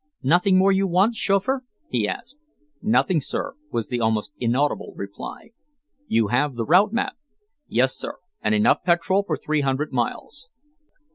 "Nothing more you want, chauffeur?" he asked. "Nothing, sir," was the almost inaudible reply. "You have the route map?" "Yes, sir, and enough petrol for three hundred miles."